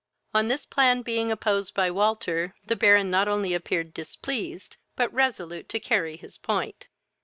On this plan being opposed by Walter, the Baron not only appeared displeased, but resolute to carry his point.